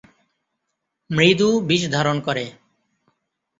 মৃদু বিষ ধারণ করে।